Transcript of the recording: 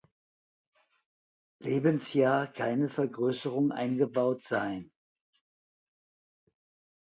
Lebensjahr keine Vergrößerung eingebaut sein.